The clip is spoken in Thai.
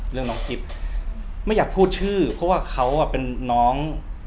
น้องกิ๊บไม่อยากพูดชื่อเพราะว่าเขาเป็นน้อง